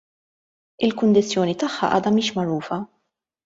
Il-kundizzjoni tagħha għadha mhix magħrufa.